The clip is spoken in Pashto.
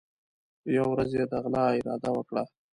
یوه ورځ یې د غلا اراده وکړه.